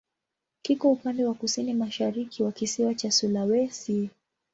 Kiko upande wa kusini-mashariki wa kisiwa cha Sulawesi.